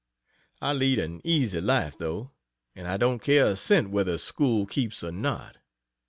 I lead an easy life, though, and I don't care a cent whether school keeps or not.